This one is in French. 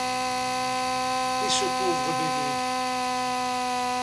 Et ce pauvre bébé!